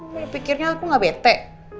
gue pikirnya aku gak bete